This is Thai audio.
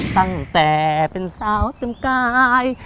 ตั้งแต่เป็นสาวเต็มกาย